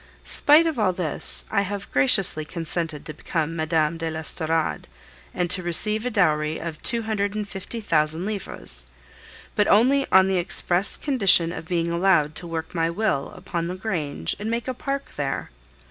Spite of all this, I have graciously consented to become Mme. de l'Estorade and to receive a dowry of two hundred and fifty thousand livres, but only on the express condition of being allowed to work my will upon the grange and make a park there.